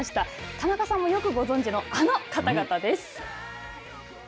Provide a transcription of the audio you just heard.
田中さんもよくご存じのあの方々です。